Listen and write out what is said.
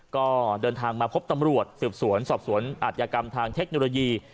ก็เดินทางมาพบตำรวจสืบสวนสอบสวนอัธยกรรมทางเทคโนโลยี